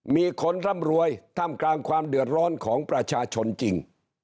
มีคนร่ำรวยท่ามกลางความเดือดร้อนของประชาชนจริง